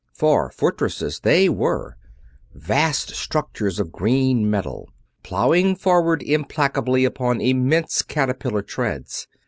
For fortresses they were; vast structures of green metal, plowing forward implacably upon immense caterpillar treads.